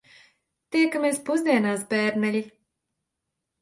Tiekamies pusdienās, bērneļi.